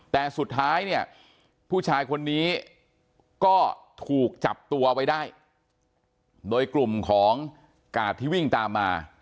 แต่สุดท้ายเนี่ยผู้ชายคนนี้ก็ถูกจับตัวไว้ได้โดยกลุ่มของกาดที่วิ่งตามมา